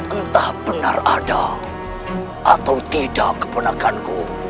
entah benar ada atau tidak keponakanku